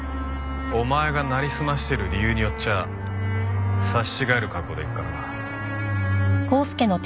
お前がなりすましてる理由によっちゃ刺し違える覚悟でいくからな。